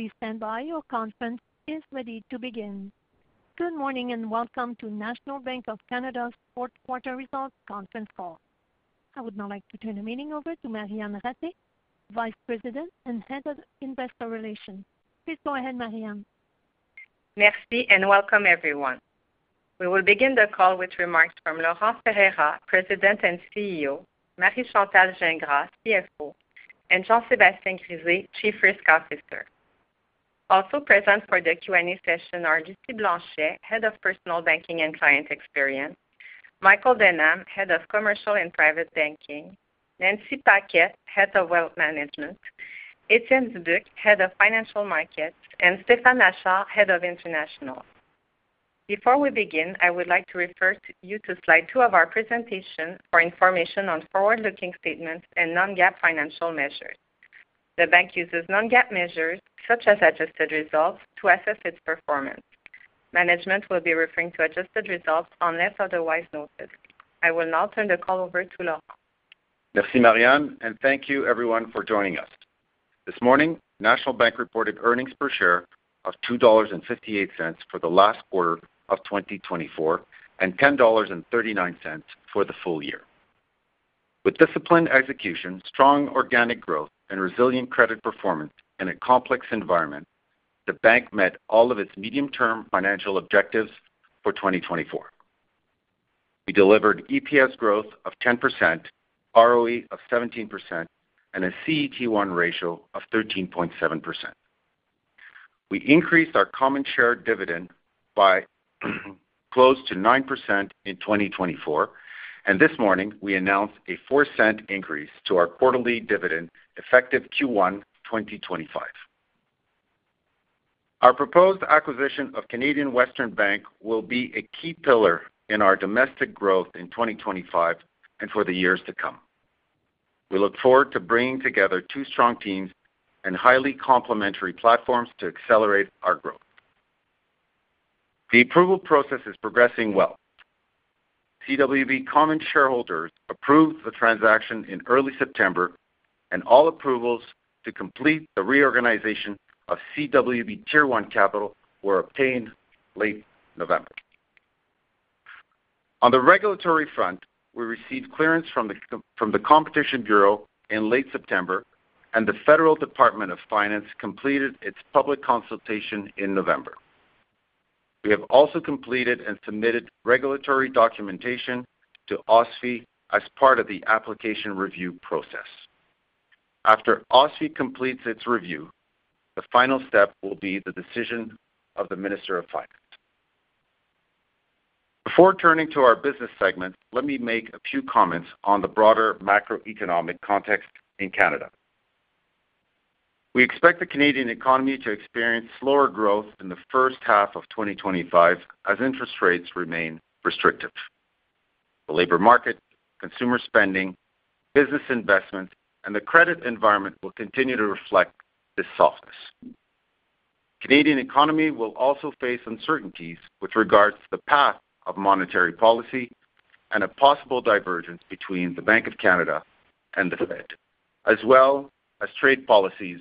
Please stand by, your conference is ready to begin. Good morning and welcome to National Bank of Canada's fourth quarter results conference call. I would now like to turn the meeting over to Marianne Ratté, Vice President and Head of Investor Relations. Please go ahead, Marianne. Merci and welcome everyone. We will begin the call with remarks from Laurent Ferreira, President and CEO, Marie Chantal Gingras, CFO, and Jean-Sébastien Grisé, Chief Risk Officer. Also present for the Q&A session are Lucie Blanchet, Head of Personal Banking and Client Experience, Michael Denham, Head of Commercial and Private Banking, Nancy Paquet, Head of Wealth Management, Étienne Dubuc, Head of Financial Markets, and Stéphane Achard, Head of International. Before we begin, I would like to refer you to slide 2 of our presentation for information on forward-looking statements and non-GAAP financial measures. The bank uses non-GAAP measures such as adjusted results to assess its performance. Management will be referring to adjusted results unless otherwise noted. I will now turn the call over to Laurent. Merci Marianne and thank you everyone for joining us. This morning, National Bank reported earnings per share of 2.58 dollars for the last quarter of 2024 and 10.39 dollars for the full year. With disciplined execution, strong organic growth, and resilient credit performance in a complex environment, the bank met all of its medium-term financial objectives for 2024. We delivered EPS growth of 10%, ROE of 17%, and a CET1 ratio of 13.7%. We increased our common share dividend by close to 9% in 2024, and this morning we announced a 0.04 increase to our quarterly dividend effective Q1 2025. Our proposed acquisition of Canadian Western Bank will be a key pillar in our domestic growth in 2025 and for the years to come. We look forward to bringing together two strong teams and highly complementary platforms to accelerate our growth. The approval process is progressing well. CWB common shareholders approved the transaction in early September, and all approvals to complete the reorganization of CWB Tier 1 Capital were obtained late November. On the regulatory front, we received clearance from the Competition Bureau in late September, and the Federal Department of Finance completed its public consultation in November. We have also completed and submitted regulatory documentation to OSFI as part of the application review process. After OSFI completes its review, the final step will be the decision of the Minister of Finance. Before turning to our business segment, let me make a few comments on the broader macroeconomic context in Canada. We expect the Canadian economy to experience slower growth in the first half of 2025 as interest rates remain restrictive. The labor market, consumer spending, business investment, and the credit environment will continue to reflect this softness. The Canadian economy will also face uncertainties with regards to the path of monetary policy and a possible divergence between the Bank of Canada and the Fed, as well as trade policies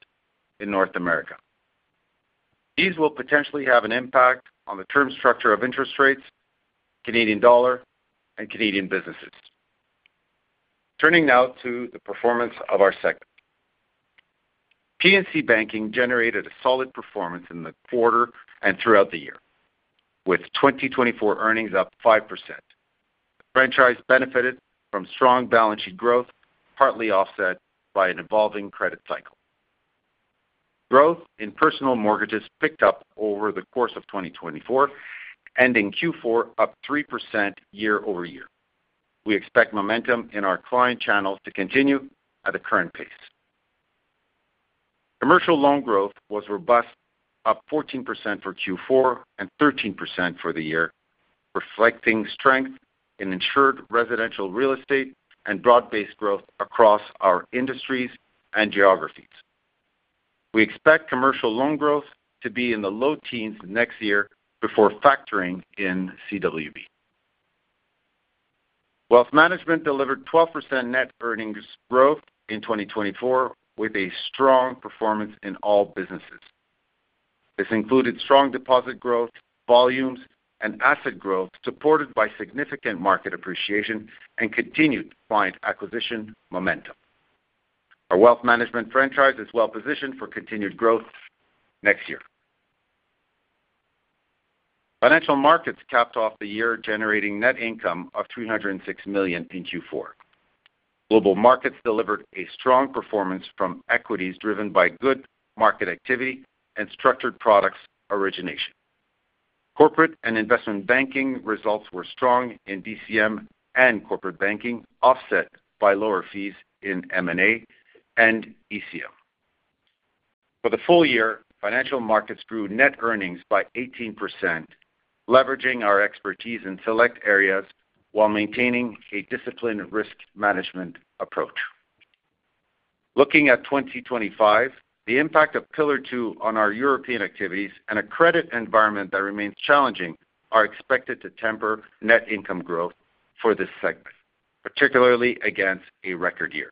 in North America. These will potentially have an impact on the term structure of interest rates, Canadian dollar, and Canadian businesses. Turning now to the performance of our segment. P&C Banking generated a solid performance in the quarter and throughout the year, with 2024 earnings up 5%. The franchise benefited from strong balance sheet growth, partly offset by an evolving credit cycle. Growth in personal mortgages picked up over the course of 2024, ending Q4 up 3% year-over-year. We expect momentum in our client channels to continue at the current pace. Commercial loan growth was robust, up 14% for Q4 and 13% for the year, reflecting strength in insured residential real estate and broad-based growth across our industries and geographies. We expect commercial loan growth to be in the low teens next year before factoring in CWB. Wealth Management delivered 12% net earnings growth in 2024, with a strong performance in all businesses. This included strong deposit growth, volumes, and asset growth supported by significant market appreciation and continued client acquisition momentum. Our Wealth Management franchise is well-positioned for continued growth next year. Financial Markets capped off the year generating net income of $306 million in Q4. Global Markets delivered a strong performance from equities driven by good market activity and structured products origination. Corporate and investment banking results were strong in DCM and corporate banking, offset by lower fees in M&A and ECM. For the full year, Financial Markets grew net earnings by 18%, leveraging our expertise in select areas while maintaining a disciplined risk management approach. Looking at 2025, the impact of Pillar 2 on our European activities and a credit environment that remains challenging are expected to temper net income growth for this segment, particularly against a record year.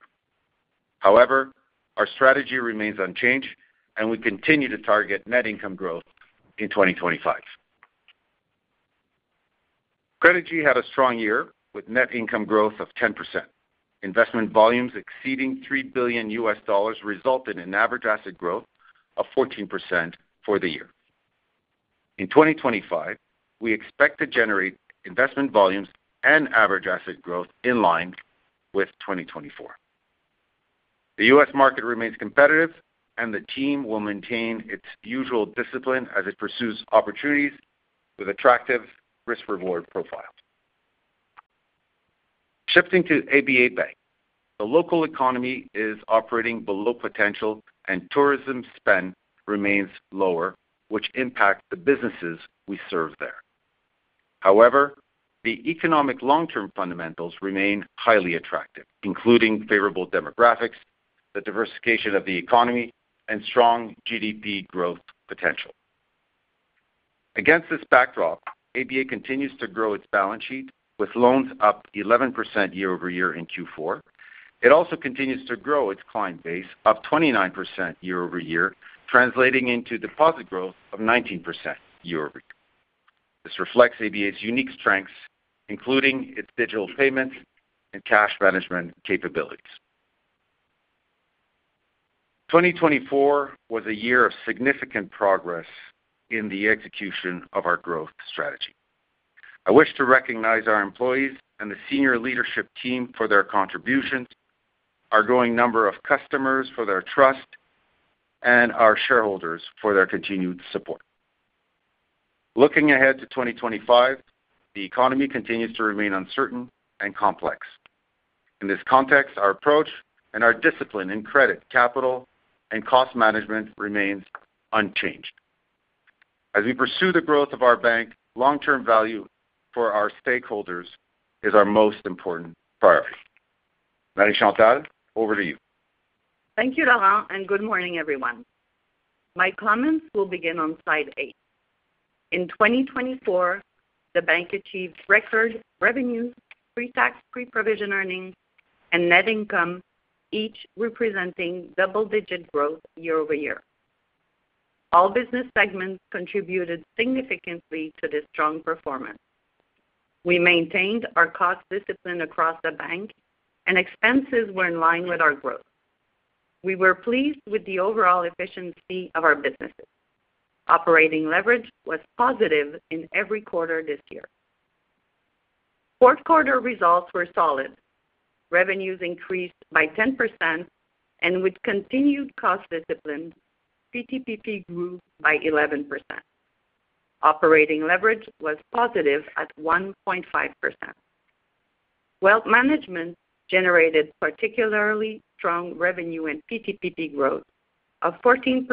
However, our strategy remains unchanged, and we continue to target net income growth in 2025. Credigy had a strong year with net income growth of 10%. Investment volumes exceeding $3 billion resulted in average asset growth of 14% for the year. In 2025, we expect to generate investment volumes and average asset growth in line with 2024. The U.S. market remains competitive, and the team will maintain its usual discipline as it pursues opportunities with attractive risk-reward profiles. Shifting to ABA Bank, the local economy is operating below potential, and tourism spend remains lower, which impacts the businesses we serve there. However, the economic long-term fundamentals remain highly attractive, including favorable demographics, the diversification of the economy, and strong GDP growth potential. Against this backdrop, ABA continues to grow its balance sheet with loans up 11% year-over-year in Q4. It also continues to grow its client base up 29% year-over-year, translating into deposit growth of 19% year-over-year. This reflects ABA's unique strengths, including its digital payments and cash management capabilities. 2024 was a year of significant progress in the execution of our growth strategy. I wish to recognize our employees and the senior leadership team for their contributions, our growing number of customers for their trust, and our shareholders for their continued support. Looking ahead to 2025, the economy continues to remain uncertain and complex. In this context, our approach and our discipline in credit capital and cost management remain unchanged. As we pursue the growth of our bank, long-term value for our stakeholders is our most important priority. Marie Chantal, over to you. Thank you, Laurent, and good morning everyone. My comments will begin on slide 8. In 2024, the bank achieved record revenues, pre-tax, pre-provision earnings, and net income, each representing double-digit growth year-over-year. All business segments contributed significantly to this strong performance. We maintained our cost discipline across the bank, and expenses were in line with our growth. We were pleased with the overall efficiency of our businesses. Operating leverage was positive in every quarter this year. Fourth quarter results were solid. Revenues increased by 10%, and with continued cost discipline, PTPP grew by 11%. Operating leverage was positive at 1.5%. Wealth Management generated particularly strong revenue and PTPP growth of 14%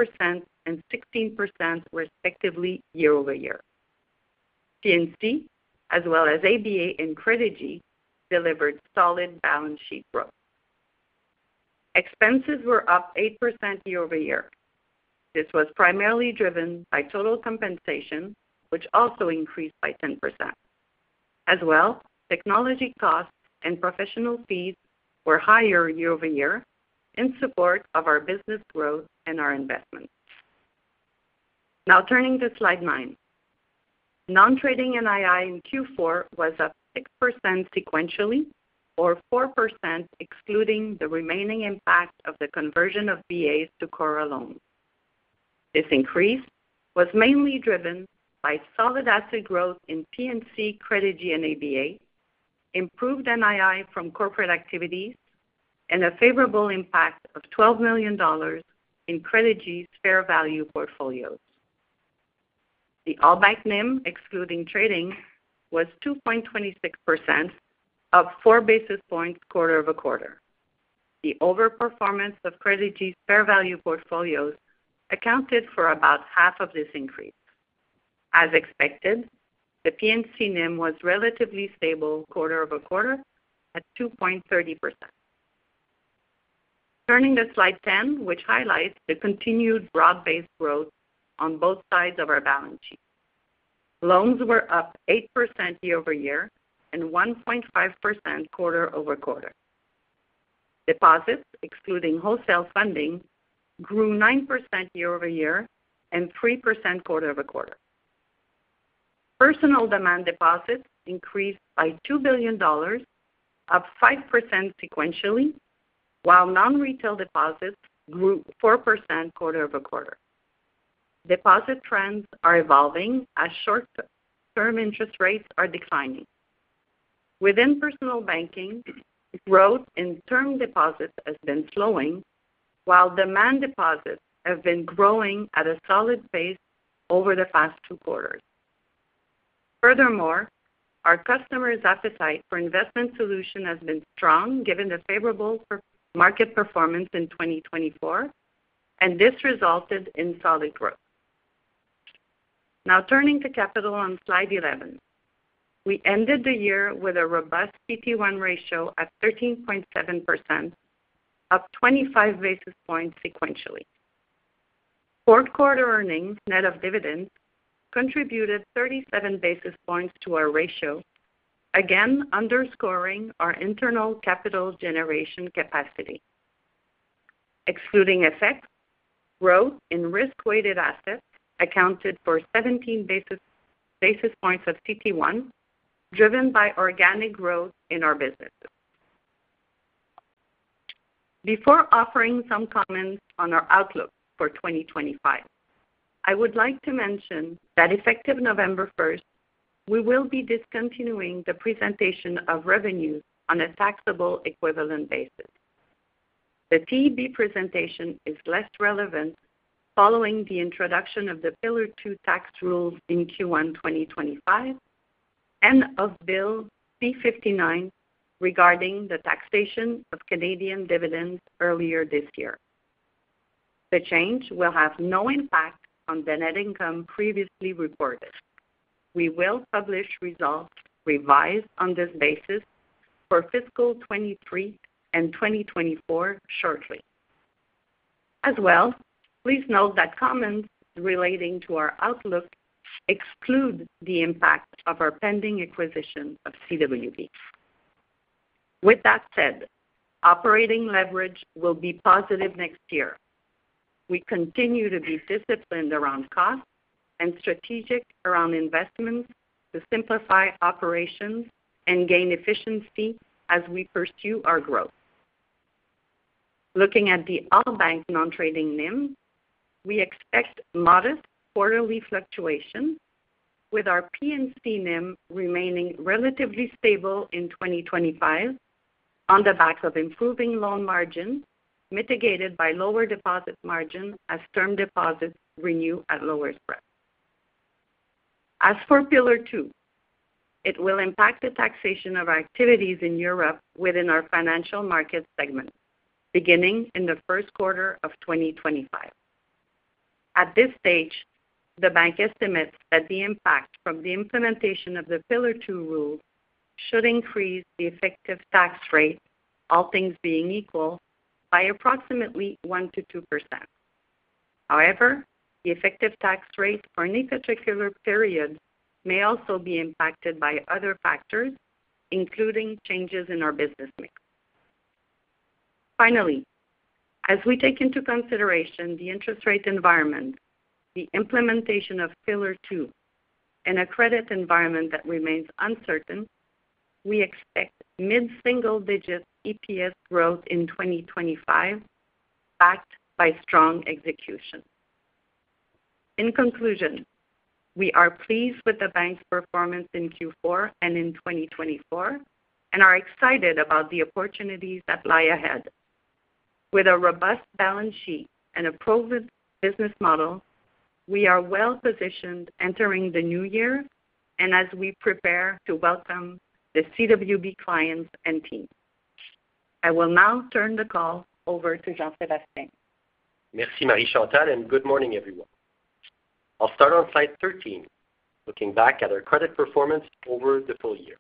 and 16% respectively year-over-year. P&C, as well as ABA and Credigy, delivered solid balance sheet growth. Expenses were up 8% year-over-year. This was primarily driven by total compensation, which also increased by 10%. As well, technology costs and professional fees were higher year-over-year in support of our business growth and our investments. Now turning to slide 9. Non-trading NII in Q4 was up 6% sequentially, or 4% excluding the remaining impact of the conversion of BAs to CORRA loans. This increase was mainly driven by solid asset growth in P&C, Credigy, and ABA, improved NII from corporate activities, and a favorable impact of $12 million in Credigy's fair value portfolios. The all-bank NIM, excluding trading, was 2.26%, up four basis points quarter-over-quarter. The overperformance of Credigy's fair value portfolios accounted for about half of this increase. As expected, the P&C NIM was relatively stable quarter-over-quarter at 2.30%. Turning to slide 10, which highlights the continued broad-based growth on both sides of our balance sheet. Loans were up 8% year-over-year and 1.5% quarter-over-quarter. Deposits, excluding wholesale funding, grew 9% year-over-year and 3% quarter-over-quarter. Personal demand deposits increased by $2 billion, up 5% sequentially, while non-retail deposits grew 4% quarter-over-quarter. Deposit trends are evolving as short-term interest rates are declining. Within personal banking, growth in term deposits has been slowing, while demand deposits have been growing at a solid pace over the past two quarters. Furthermore, our customers' appetite for investment solutions has been strong given the favorable market performance in 2024, and this resulted in solid growth. Now turning to capital on slide 11. We ended the year with a robust CET1 ratio at 13.7%, up 25 basis points sequentially. Fourth quarter earnings net of dividends contributed 37 basis points to our ratio, again underscoring our internal capital generation capacity. Excluding effects, growth in risk-weighted assets accounted for 17 basis points of Tier 1, driven by organic growth in our businesses. Before offering some comments on our outlook for 2025, I would like to mention that effective November 1, we will be discontinuing the presentation of revenues on a taxable equivalent basis. The TEB presentation is less relevant following the introduction of the Pillar 2 tax rules in Q1 2025 and of Bill C-59 regarding the taxation of Canadian dividends earlier this year. The change will have no impact on the net income previously reported. We will publish results revised on this basis for fiscal 2023 and 2024 shortly. As well, please note that comments relating to our outlook exclude the impact of our pending acquisition of CWB. With that said, operating leverage will be positive next year. We continue to be disciplined around cost and strategic around investments to simplify operations and gain efficiency as we pursue our growth. Looking at the all-bank non-trading NIM, we expect modest quarterly fluctuation, with our P&C NIM remaining relatively stable in 2025 on the back of improving loan margins mitigated by lower deposit margin as term deposits renew at lower spreads. As for Pillar 2, it will impact the taxation of our activities in Europe within our financial market segment, beginning in the first quarter of 2025. At this stage, the bank estimates that the impact from the implementation of the Pillar 2 rules should increase the effective tax rate, all things being equal, by approximately 1%-2%. However, the effective tax rate for any particular period may also be impacted by other factors, including changes in our business mix. Finally, as we take into consideration the interest rate environment, the implementation of Pillar 2, and a credit environment that remains uncertain, we expect mid-single-digit EPS growth in 2025 backed by strong execution. In conclusion, we are pleased with the bank's performance in Q4 and in 2024 and are excited about the opportunities that lie ahead. With a robust balance sheet and a proven business model, we are well-positioned entering the new year and as we prepare to welcome the CWB clients and team. I will now turn the call over to Jean-Sébastien. Merci, Marie Chantal, and good morning everyone. I'll start on slide 13, looking back at our credit performance over the full year.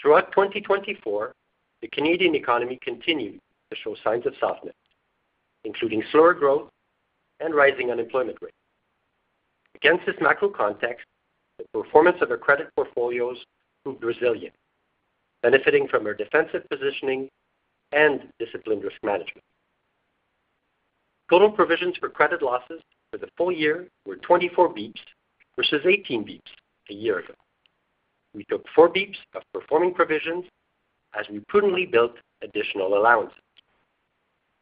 Throughout 2024, the Canadian economy continued to show signs of softness, including slower growth and rising unemployment rates. Against this macro context, the performance of our credit portfolios proved resilient, benefiting from our defensive positioning and disciplined risk management. Total provisions for credit losses for the full year were 24 basis points versus 18 basis points a year ago. We took four basis points of performing provisions as we prudently built additional allowances.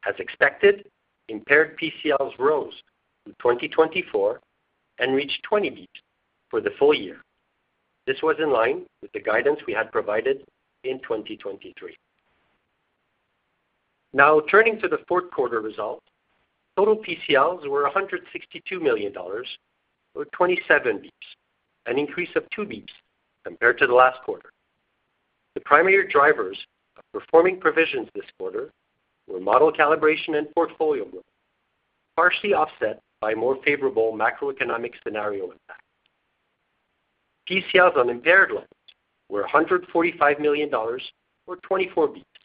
As expected, impaired PCLs rose in 2024 and reached 20 basis points for the full year. This was in line with the guidance we had provided in 2023. Now turning to the fourth quarter result, total PCLs were 162 million dollars, or 27 basis points, an increase of 2 basis points compared to the last quarter. The primary drivers of performing provisions this quarter were model calibration and portfolio growth, partially offset by more favorable macroeconomic scenario impact. PCLs on impaired loans were $145 million, or 24 basis points,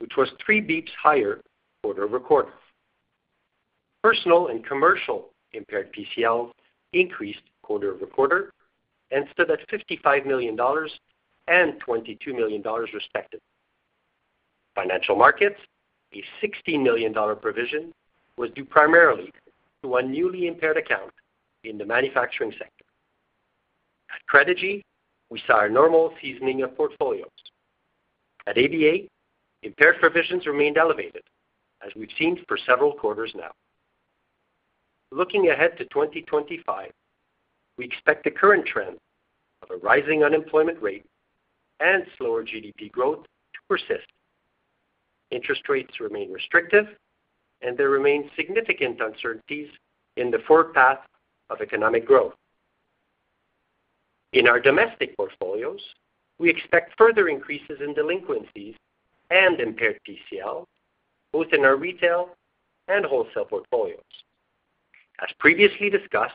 which was 3 basis points higher quarter-over-quarter. Personal and commercial impaired PCLs increased quarter-over-quarter and stood at $55 million and $22 million respectively. Financial Markets, a $60 million provision was due primarily to a newly impaired account in the manufacturing sector. At Credigy, we saw a normal seasoning of portfolios. At ABA, impaired provisions remained elevated, as we've seen for several quarters now. Looking ahead to 2025, we expect the current trend of a rising unemployment rate and slower GDP growth to persist. Interest rates remain restrictive, and there remain significant uncertainties in the forecast of economic growth. In our domestic portfolios, we expect further increases in delinquencies and impaired PCL, both in our retail and wholesale portfolios. As previously discussed,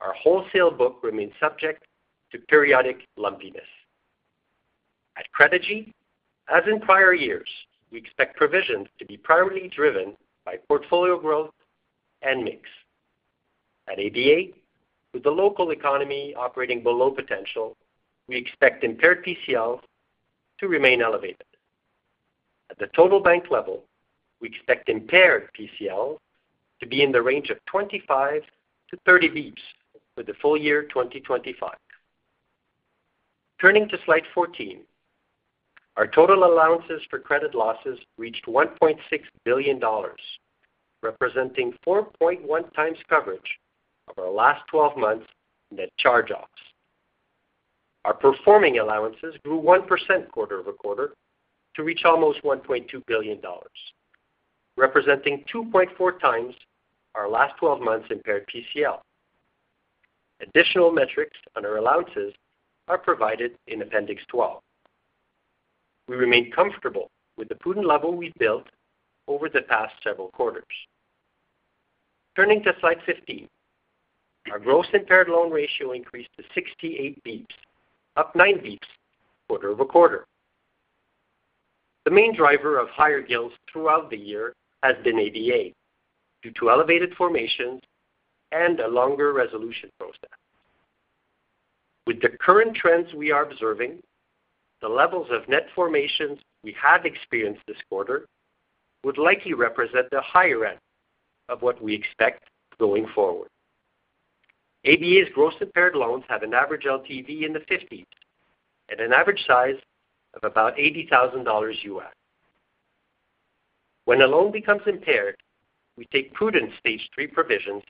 our wholesale book remains subject to periodic lumpiness. At Credigy, as in prior years, we expect provisions to be primarily driven by portfolio growth and mix. At ABA, with the local economy operating below potential, we expect impaired PCLs to remain elevated. At the total bank level, we expect impaired PCLs to be in the range of 25 to 30 basis points for the full year 2025. Turning to slide 14, our total allowances for credit losses reached 1.6 billion dollars, representing 4.1x coverage of our last 12 months net charge-offs. Our performing allowances grew 1% quarter-over-quarter to reach almost 1.2 billion dollars, representing 2.4 times our last 12 months impaired PCL. Additional metrics on our allowances are provided in Appendix 12. We remain comfortable with the prudent level we've built over the past several quarters. Turning to slide 15, our gross impaired loan ratio increased to 68 basis points, up 9 basis points quarter-over-quarter. The main driver of higher GILs throughout the year has been ABA due to elevated formations and a longer resolution process. With the current trends we are observing, the levels of net formations we have experienced this quarter would likely represent the higher end of what we expect going forward. ABA's gross impaired loans have an average LTV in the 50s at an average size of about $80,000 USD. When a loan becomes impaired, we take prudent Stage 3 provisions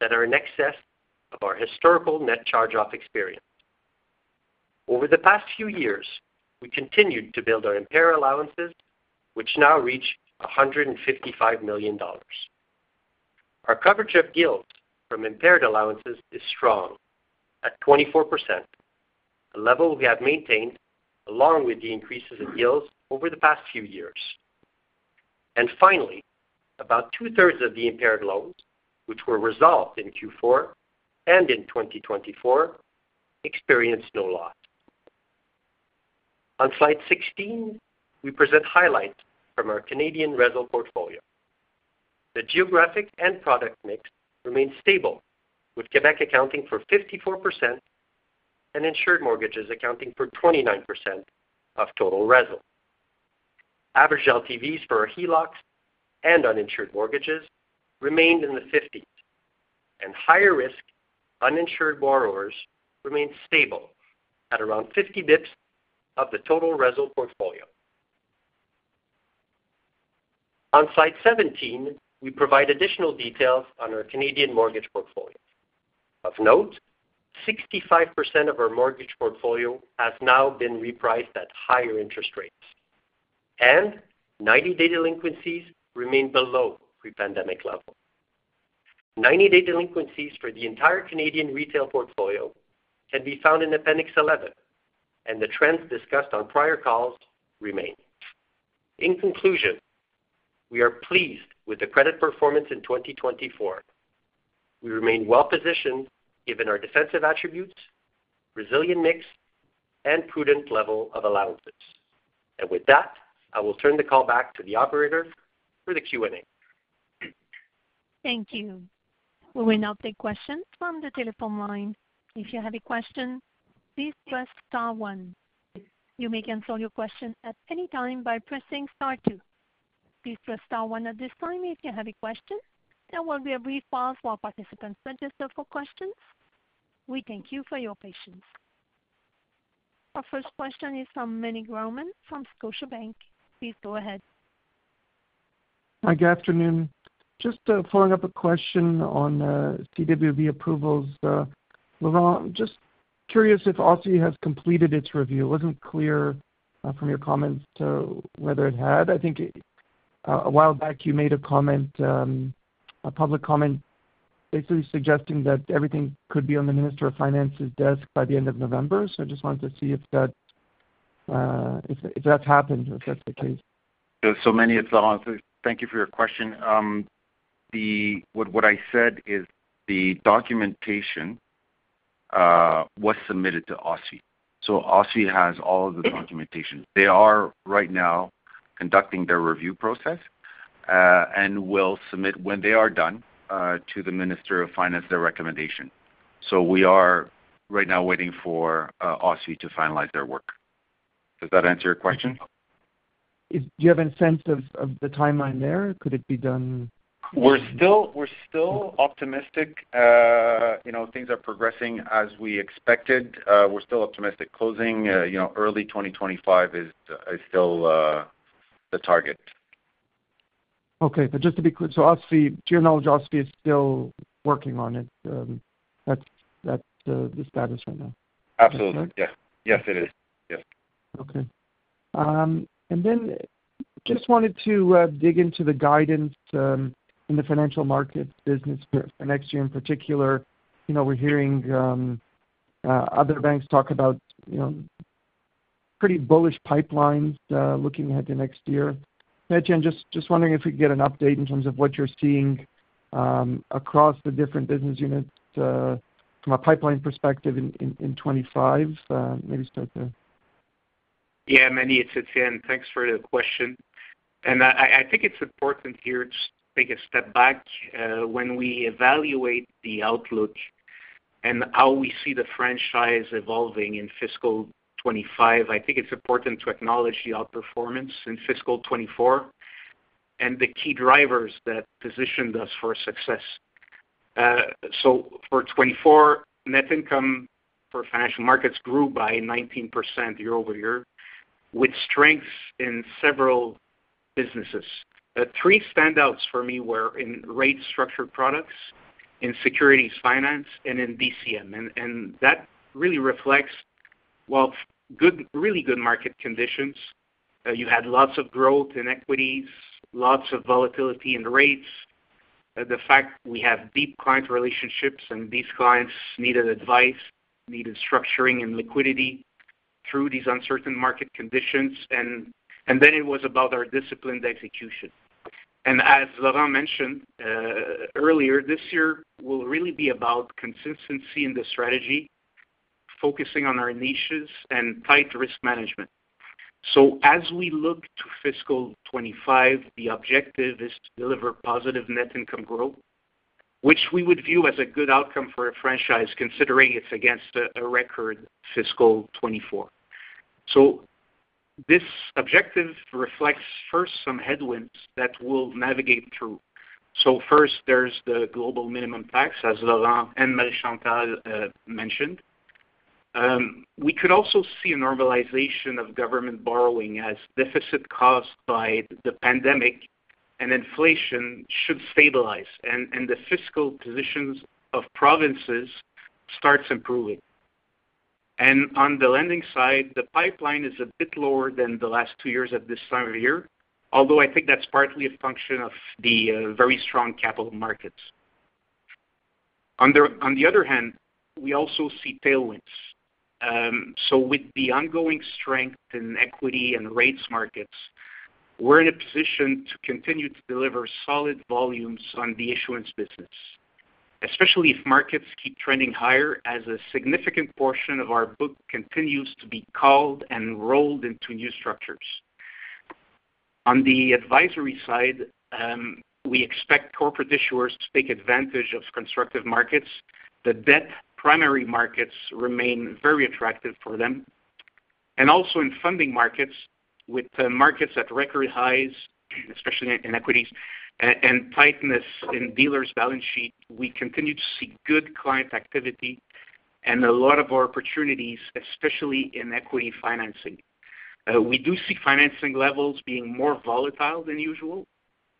that are in excess of our historical net charge-off experience. Over the past few years, we continued to build our impaired allowances, which now reach 155 million dollars. Our coverage of GILs from impaired allowances is strong at 24%, a level we have maintained along with the increases in GILs over the past few years. Finally, about two-thirds of the impaired loans, which were resolved in Q4 and in 2024, experienced no loss. On slide 16, we present highlights from our Canadian RESL portfolio. The geographic and product mix remains stable, with Quebec accounting for 54% and insured mortgages accounting for 29% of total RESL. Average LTVs for our HELOCs and uninsured mortgages remained in the 50s, and higher-risk uninsured borrowers remained stable at around 50 basis points of the total RESL portfolio. On slide 17, we provide additional details on our Canadian mortgage portfolio. Of note, 65% of our mortgage portfolio has now been repriced at higher interest rates, and 90-day delinquencies remain below pre-pandemic level. 90-day delinquencies for the entire Canadian retail portfolio can be found in Appendix 11, and the trends discussed on prior calls remain. In conclusion, we are pleased with the credit performance in 2024. We remain well-positioned given our defensive attributes, resilient mix, and prudent level of allowances. And with that, I will turn the call back to the operator for the Q&A. Thank you. We will now take questions from the telephone line. If you have a question, please press star one. You may cancel your question at any time by pressing star two. Please press star one at this time if you have a question. There will be a brief pause while participants register for questions. We thank you for your patience. Our first question is from Meny Grauman, from Scotiabank. Please go ahead. Hi, good afternoon. Just following up a question on CWB approvals. Laurent, just curious if OSFI has completed its review. It wasn't clear from your comments as to whether it had. I think a while back you made a comment, a public comment, basically suggesting that everything could be on the Minister of Finance's desk by the end of November. So I just wanted to see if that's happened, if that's the case. So many as well. Thank you for your question. What I said is the documentation was submitted to OSFI. So OSFI has all of the documentation. They are right now conducting their review process and will submit, when they are done, to the Minister of Finance their recommendation. So we are right now waiting for OSFI to finalize their work. Does that answer your question? Do you have a sense of the timeline there? Could it be done? We're still optimistic. Things are progressing as we expected. We're still optimistic. Closing early 2025 is still the target. Okay. But just to be clear, to your knowledge, OSFI is still working on it. That's the status right now. Absolutely. Yes. Yes, it is. Yes. Okay. And then just wanted to dig into the guidance in the Financial Markets business for next year in particular. We're hearing other banks talk about pretty bullish pipelines looking ahead to next year. Just wondering if we could get an update in terms of what you're seeing across the different business units from a pipeline perspective in 2025. Maybe start there. Yeah, Meny, it's Étienne. Thanks for the question. And I think it's important here to take a step back. When we evaluate the outlook and how we see the franchise evolving in fiscal 2025, I think it's important to acknowledge the outperformance in fiscal 2024 and the key drivers that positioned us for success. For 2024, net income for Financial Markets grew by 19% year-over-year, with strengths in several businesses. Three standouts for me were in rate-structured products, in securities finance, and in DCM. And that really reflects really good market conditions. You had lots of growth in equities, lots of volatility in rates. The fact we have deep client relationships and these clients needed advice, needed structuring and liquidity through these uncertain market conditions. And then it was about our disciplined execution. And as Laurent mentioned earlier, this year will really be about consistency in the strategy, focusing on our niches and tight risk management. As we look to fiscal 2025, the objective is to deliver positive net income growth, which we would view as a good outcome for a franchise considering it's against a record fiscal 2024. This objective reflects first some headwinds that we'll navigate through. So first, there's the global minimum tax, as Laurent and Marie Chantal mentioned. We could also see a normalization of government borrowing as deficit caused by the pandemic and inflation should stabilize, and the fiscal positions of provinces start improving. And on the lending side, the pipeline is a bit lower than the last two years at this time of year, although I think that's partly a function of the very strong capital markets. On the other hand, we also see tailwinds. So with the ongoing strength in equity and rates markets, we're in a position to continue to deliver solid volumes on the issuance business, especially if markets keep trending higher as a significant portion of our book continues to be called and rolled into new structures. On the advisory side, we expect corporate issuers to take advantage of constructive markets. The debt primary markets remain very attractive for them. And also in funding markets, with markets at record highs, especially in equities, and tightness in dealers' balance sheets, we continue to see good client activity and a lot of opportunities, especially in equity financing. We do see financing levels being more volatile than usual,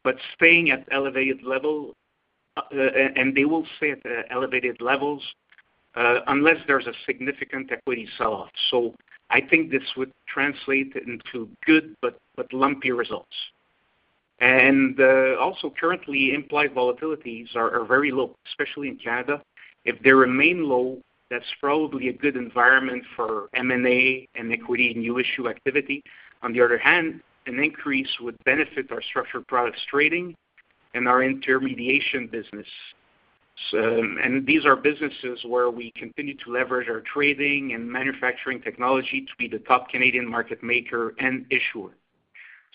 but staying at elevated levels, and they will stay at elevated levels unless there's a significant equity selloff. So I think this would translate into good but lumpy results. And also, currently, implied volatilities are very low, especially in Canada. If they remain low, that's probably a good environment for M&A and equity new issue activity. On the other hand, an increase would benefit our structured products trading and our intermediation business. And these are businesses where we continue to leverage our trading and manufacturing technology to be the top Canadian market maker and issuer.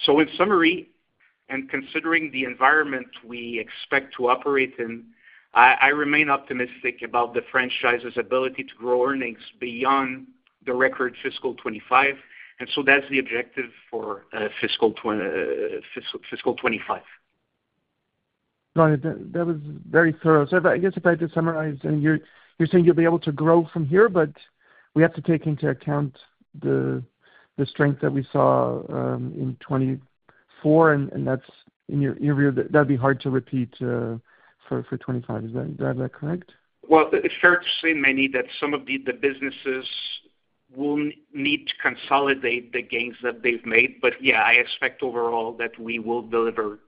In summary, and considering the environment we expect to operate in, I remain optimistic about the franchise's ability to grow earnings beyond the record fiscal 2025. And so that's the objective for fiscal 2025. That was very thorough. So I guess if I just summarize, you're saying you'll be able to grow from here, but we have to take into account the strength that we saw in 2024, and that's in your view, that'd be hard to repeat for 2025. Is that correct? Well, it's fair to say, Meny, that some of the businesses will need to consolidate the gains that they've made. But yeah, I expect overall that we will deliver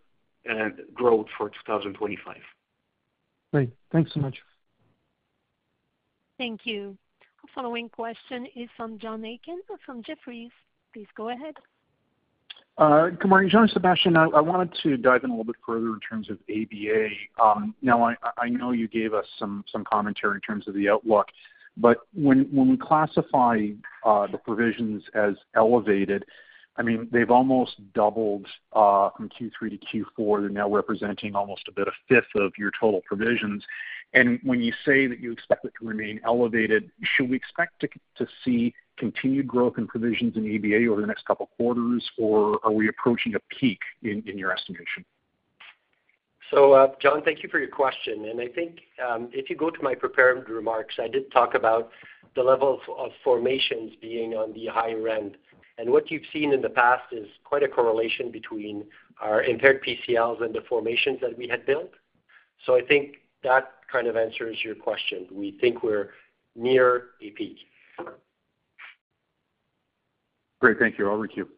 growth for 2025. Great. Thanks so much. Thank you. Our following question is from John Aiken from Jefferies. Please go ahead. Good morning, Jean-Sébastien, I wanted to dive in a little bit further in terms of ABA. Now, I know you gave us some commentary in terms of the outlook, but when we classify the provisions as elevated, I mean, they've almost doubled from Q3 to Q4. They're now representing almost a bit of a fifth of your total provisions. And when you say that you expect it to remain elevated, should we expect to see continued growth in provisions in ABA over the next couple of quarters, or are we approaching a peak in your estimation? So John, thank you for your question. And I think if you go to my prepared remarks, I did talk about the level of formations being on the higher end. And what you've seen in the past is quite a correlation between our impaired PCLs and the formations that we had built. So I think that kind of answers your question. We think we're near a peak. Great. Thank you. I'll turn it over to you.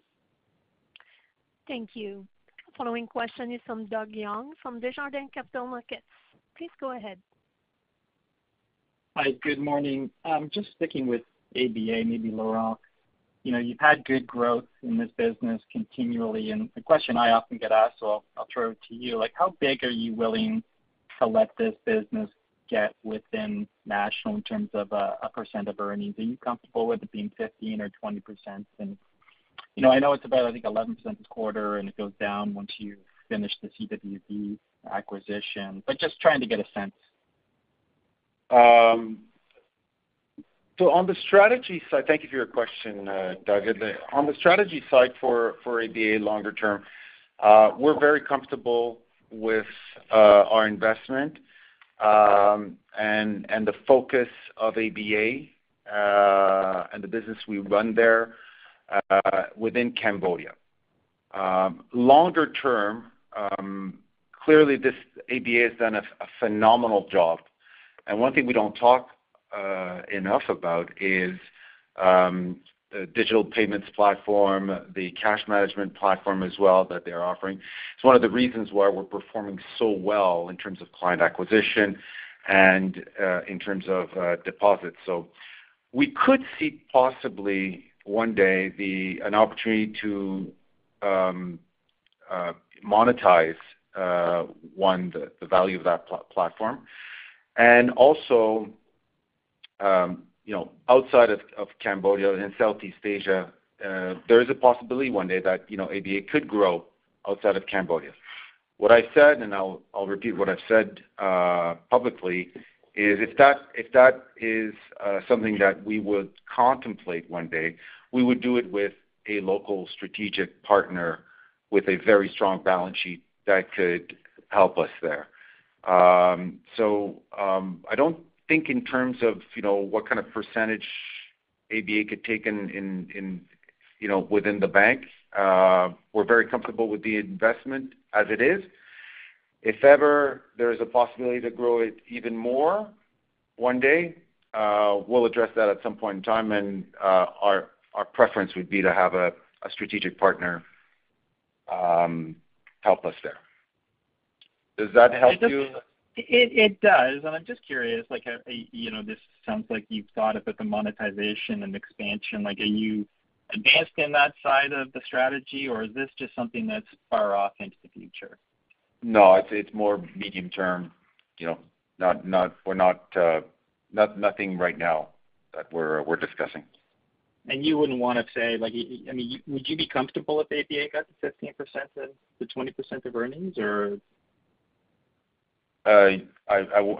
Thank you. Our following question is from Doug Young from Desjardins Capital Markets. Please go ahead. Hi, good morning. Just sticking with ABA, maybe Laurent. You've had good growth in this business continually. And the question I often get asked, so I'll throw it to you, how big are you willing to let this business get within National in terms of a percent of earnings? Are you comfortable with it being 15% or 20%? And I know it's about, I think, 11% this quarter, and it goes down once you finish the CWB acquisition. But just trying to get a sense. So on the strategy side, thank you for your question, Doug. On the strategy side for ABA longer term, we're very comfortable with our investment and the focus of ABA and the business we run there, within Cambodia. Longer term, clearly, ABA has done a phenomenal job. And one thing we don't talk enough about is the digital payments platform, the cash management platform as well that they're offering. It's one of the reasons why we're performing so well in terms of client acquisition and in terms of deposits. So we could see possibly one day an opportunity to monetize the value of that platform. And also, outside of Cambodia and Southeast Asia, there is a possibility one day that ABA could grow outside of Cambodia. What I said, and I'll repeat what I've said publicly, is if that is something that we would contemplate one day, we would do it with a local strategic partner with a very strong balance sheet that could help us there. So I don't think in terms of what kind of percentage ABA could take within the bank, we're very comfortable with the investment as it is. If ever there is a possibility to grow it even more one day, we'll address that at some point in time. And our preference would be to have a strategic partner help us there. Does that help you? It does. And I'm just curious. This sounds like you've thought about the monetization and expansion. Are you advanced in that side of the strategy, or is this just something that's far off into the future? No, it's more medium term. We're not nothing right now that we're discussing. And you wouldn't want to say, I mean, would you be comfortable if ABA got the 15% of the 20% of earnings, or? I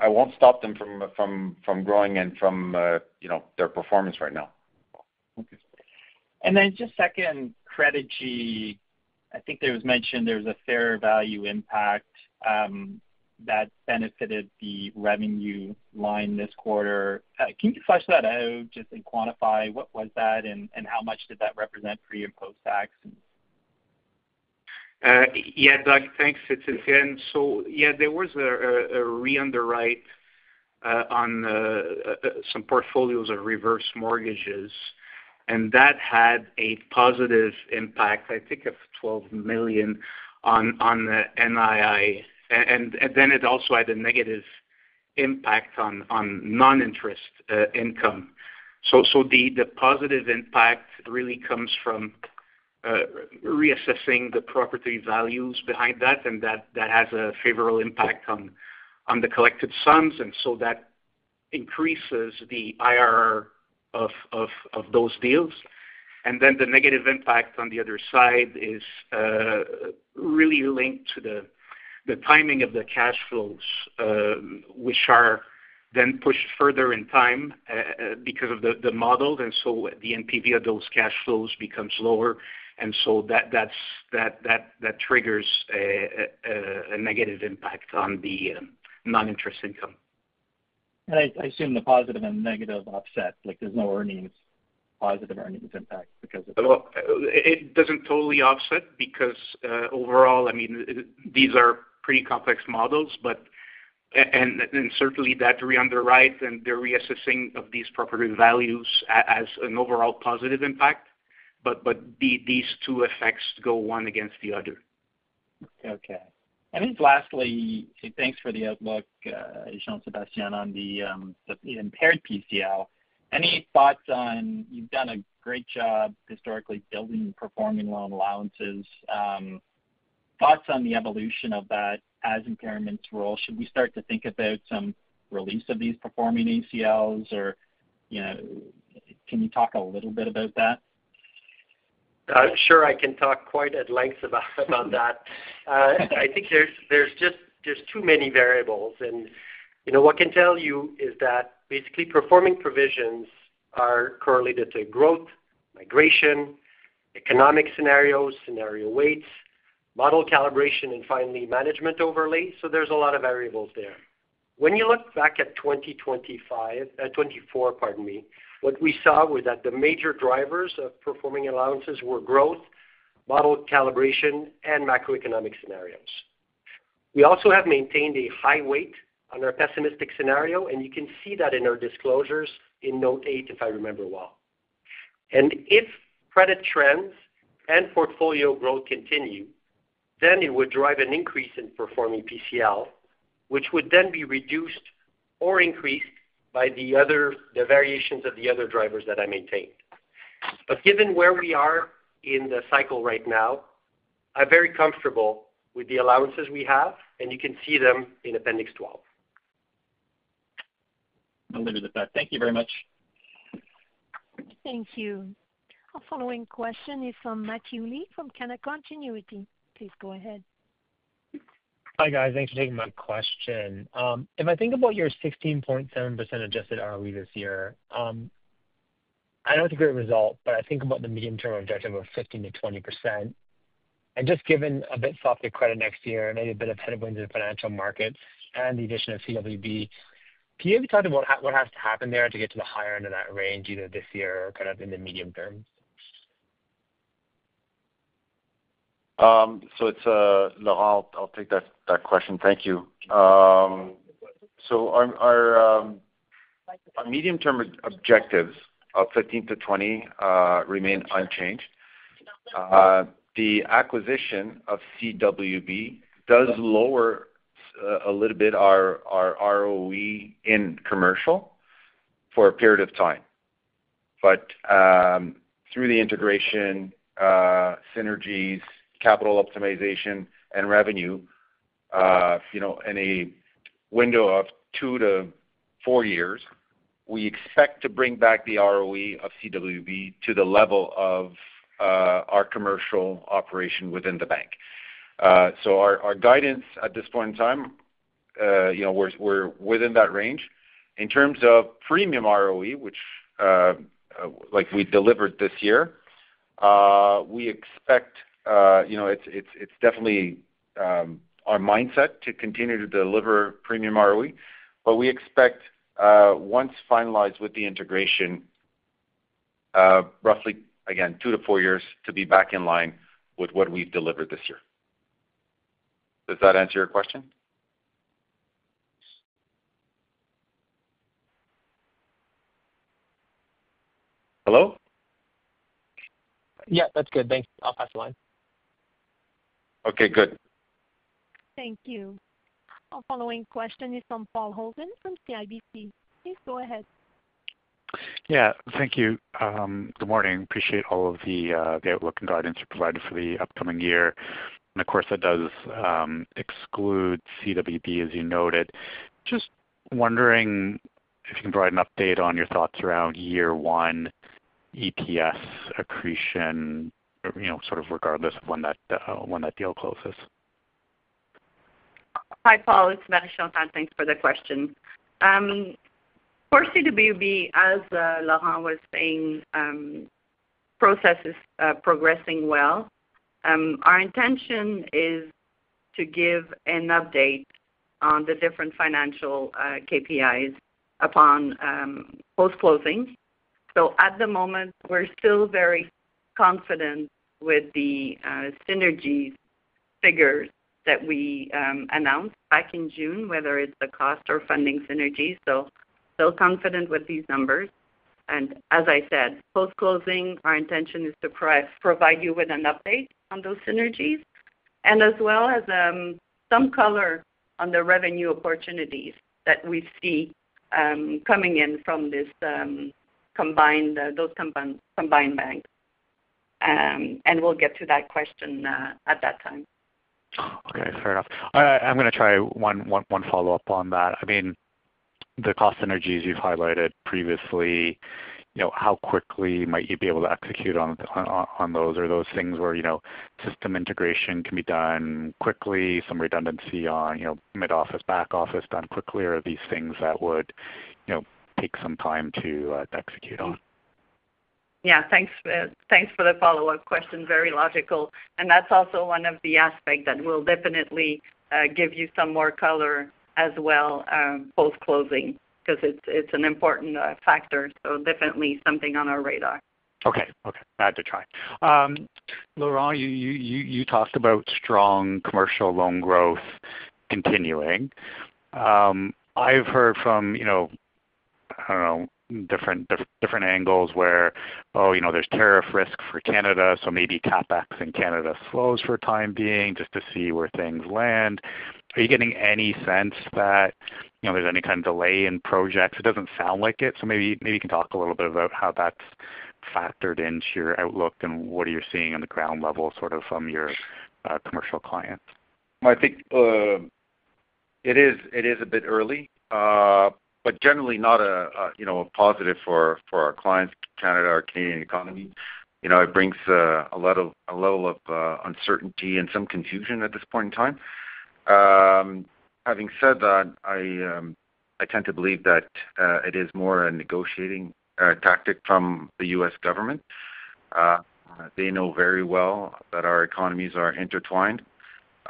won't stop them from growing and from their performance right now. Okay. And then just second, Credigy, I think there was mentioned there was a fair value impact that benefited the revenue line this quarter. Can you flesh that out just and quantify what was that and how much did that represent for you post-tax? Yeah, Doug, thanks. It's Étienne. So yeah, there was a re-underwrite on some portfolios of reverse mortgages, and that had a positive impact, I think, of 12 million on NII. And then it also had a negative impact on non-interest income. So the positive impact really comes from reassessing the property values behind that, and that has a favorable impact on the collected sums. And so that increases the IRR of those deals. And then the negative impact on the other side is really linked to the timing of the cash flows, which are then pushed further in time because of the model. And so the NPV of those cash flows becomes lower. And so that triggers a negative impact on the non-interest income. And I assume the positive and negative offset, like there's no positive earnings impact because of it. It doesn't totally offset because overall, I mean, these are pretty complex models. And certainly, that re-underwrite and the reassessing of these property values has an overall positive impact, but these two effects go one against the other. Okay. And then lastly, thanks for the outlook, Jean-Sébastien, on the impaired PCL. Any thoughts on you've done a great job historically building performing loan allowances? Thoughts on the evolution of that as impairments roll? Should we start to think about some release of these performing PCLs, or can you talk a little bit about that? Sure, I can talk quite at length about that. I think there's too many variables. And what I can tell you is that basically, performing provisions are correlated to growth, migration, economic scenarios, scenario weights, model calibration, and finally, management overlay. So there's a lot of variables there. When you look back at 2024, pardon me, what we saw was that the major drivers of performing allowances were growth, model calibration, and macroeconomic scenarios. We also have maintained a high weight on our pessimistic scenario, and you can see that in our disclosures in note 8, if I remember well. And if credit trends and portfolio growth continue, then it would drive an increase in performing PCL, which would then be reduced or increased by the variations of the other drivers that I maintained. But given where we are in the cycle right now, I'm very comfortable with the allowances we have, and you can see them in appendix 12. I'll leave it at that. Thank you very much. Thank you. Our following question is from Matthew Lee from Canaccord Genuity. Please go ahead. Hi guys. Thanks for taking my question. If I think about your 16.7% adjusted ROE this year, I don't have a great result, but I think about the medium-term objective of 15%-20%. Just given a bit softer credit next year, maybe a bit of headwinds in Financial Markets and the addition of CWB, can you maybe talk about what has to happen there to get to the higher end of that range either this year or kind of in the medium term? I'll take that question. Thank you. Our medium-term objectives of 15%-20% remain unchanged. The acquisition of CWB does lower a little bit our ROE in commercial for a period of time. But through the integration, synergies, capital optimization, and revenue, in a window of 2-4 years, we expect to bring back the ROE of CWB to the level of our commercial operation within the bank. Our guidance at this point in time, we're within that range. In terms of premium ROE, which we delivered this year, we expect it's definitely our mindset to continue to deliver premium ROE, but we expect once finalized with the integration, roughly, again, two to four years to be back in line with what we've delivered this year. Does that answer your question? Hello? Yeah, that's good. Thanks. I'll pass the line. Okay, good. Thank you. Our following question is from Paul Holden from CIBC. Please go ahead. Yeah, thank you. Good morning. Appreciate all of the outlook and guidance you provided for the upcoming year. And of course, that does exclude CWB, as you noted. Just wondering if you can provide an update on your thoughts around year one EPS accretion, sort of regardless of when that deal closes. Hi, Paul. It's Marie Chantal. Thanks for the question. For CWB, as Laurent was saying, process is progressing well. Our intention is to give an update on the different financial KPIs post-closing, so at the moment, we're still very confident with the synergy figures that we announced back in June, whether it's the cost or funding synergies, so still confident with these numbers, and as I said, post-closing, our intention is to provide you with an update on those synergies and as well as some color on the revenue opportunities that we see coming in from those combined banks, and we'll get to that question at that time. Okay, fair enough. I'm going to try one follow-up on that. I mean, the cost synergies you've highlighted previously, how quickly might you be able to execute on those? Are those things where system integration can be done quickly, some redundancy on mid-office, back-office done quickly, or are these things that would take some time to execute on? Yeah, thanks for the follow-up question. Very logical, and that's also one of the aspects that will definitely give you some more color as well post-closing because it's an important factor, so definitely something on our radar. Okay. Okay. I had to try. Laurent, you talked about strong commercial loan growth continuing. I've heard from, I don't know, different angles where, oh, there's tariff risk for Canada, so maybe CapEx in Canada slows for a time being just to see where things land. Are you getting any sense that there's any kind of delay in projects? It doesn't sound like it, so maybe you can talk a little bit about how that's factored into your outlook and what you're seeing on the ground level sort of from your commercial clients. I think it is a bit early, but generally not a positive for our clients, Canada, our Canadian economy. It brings a level of uncertainty and some confusion at this point in time. Having said that, I tend to believe that it is more a negotiating tactic from the U.S. government. They know very well that our economies are intertwined,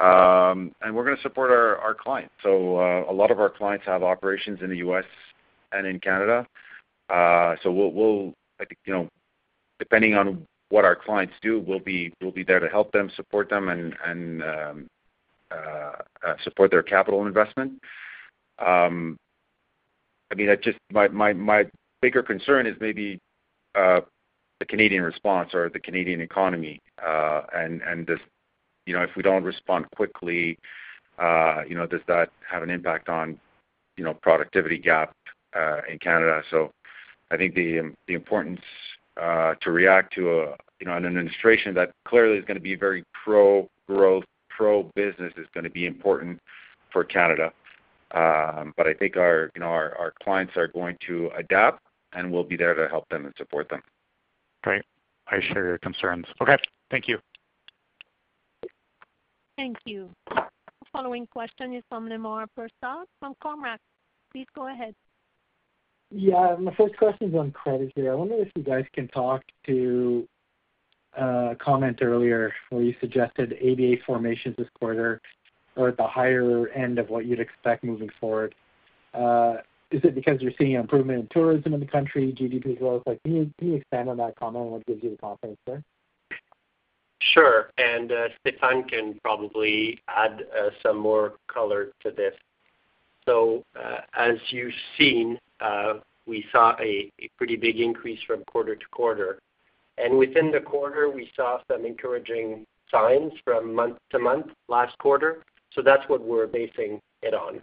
and we're going to support our clients. So a lot of our clients have operations in the U.S. and in Canada. So depending on what our clients do, we'll be there to help them, support them, and support their capital investment. I mean, my bigger concern is maybe the Canadian response or the Canadian economy. And if we don't respond quickly, does that have an impact on productivity gap in Canada? So I think the importance to react to an administration that clearly is going to be very pro-growth, pro-business is going to be important for Canada. But I think our clients are going to adapt, and we'll be there to help them and support them. Great. I share your concerns. Okay. Thank you. Thank you. Our following question is from Lemar Persaud from Cormark. Please go ahead. Yeah. My first question is on credit here. I wonder if you guys can talk to a comment earlier where you suggested ABA formations this quarter are at the higher end of what you'd expect moving forward. Is it because you're seeing an improvement in tourism in the country, GDP growth? Can you expand on that comment and what gives you the confidence there? Sure. And Stéphane can probably add some more color to this. So as you've seen, we saw a pretty big increase from quarter to quarter. And within the quarter, we saw some encouraging signs from month to month last quarter. That's what we're basing it on.